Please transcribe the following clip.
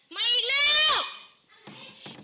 มาอีกแล้ว